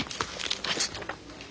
あちょっと！